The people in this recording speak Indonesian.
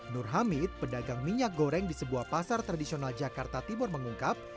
nur hamid pedagang minyak goreng di sebuah pasar tradisional jakarta timur mengungkap